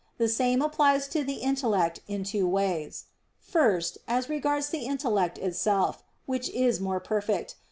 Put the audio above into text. The same applies to the intellect in two ways. First, as regards the intellect itself, which is more perfect.